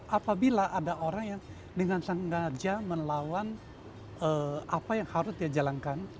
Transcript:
apabila ada orang yang dengan sengaja melawan apa yang harus dia jalankan